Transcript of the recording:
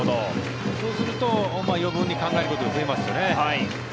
そうすると余分に考えることが増えますよね。